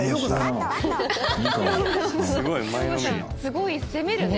すごい攻めるね。